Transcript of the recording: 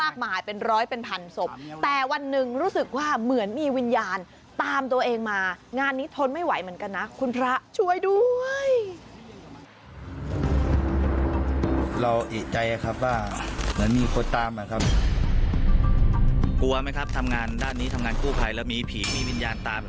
จะรู้สึกว่ามีคนตามกลับด้วย